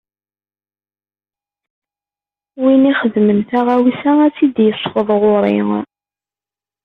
Win ixedmen taɣawsa, ad tt-id-isfeḍ ɣuṛ-i.